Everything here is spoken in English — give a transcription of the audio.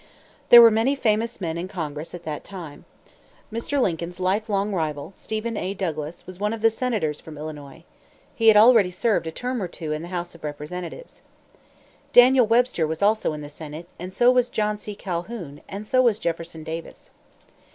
There were many famous men in Congress at that time. Mr. Lincoln's life long rival, Stephen A. Douglas, was one of the senators from Illinois. He had already served a term or two in the House of Representatives. Daniel Webster was also in the Senate; and so was John C. Calhoun; and so was Jefferson Davis.